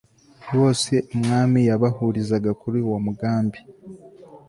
bose umwami yabahurizaga kuri uwo mugambi